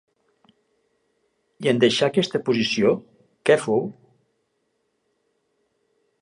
I en deixar aquesta posició, què fou?